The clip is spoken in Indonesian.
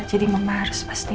jadi mama harus pasti